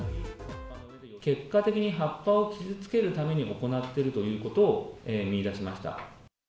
結果的に葉っぱを傷つけるために行っているということを見いだしました。